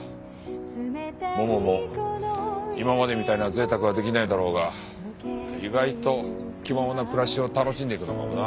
ももも今までみたいな贅沢はできないだろうが意外と気ままな暮らしを楽しんでいくのかもな。